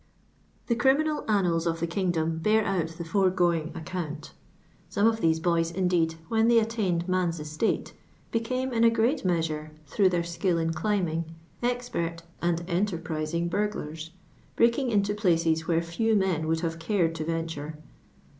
The criminal annals of the kingdom , bear out the foregoing account. Some of these boys, indeed, when they attained man's estate, beoune, in a great measure, through their skill in climbing, expert and enterprising burgUra, breaking into places where few men would have cared to ven ture.